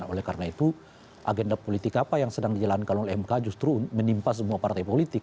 oleh karena itu agenda politik apa yang sedang dijalankan oleh mk justru menimpa semua partai politik